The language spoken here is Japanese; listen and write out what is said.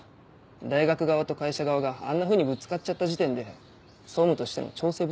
大学側と会社側があんなふうにぶつかっちゃった時点で総務としての調整不足